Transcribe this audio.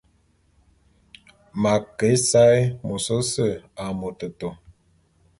M'a ke ésaé môs ôse a metôtô.